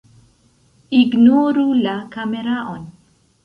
Ignoru la kameraon